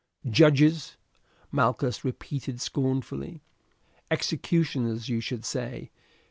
"Judges!" Malchus repeated scornfully, "executioners, you should say.